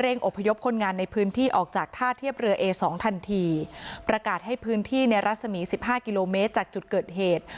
เร่งอพยพคนงานในพื้นที่ออกจากท่าเทียบเรือเอสองทันทีประกาศให้พื้นที่ในรัศมีสิบห้ากิโลเมตรจากจุดเกิดเหตุ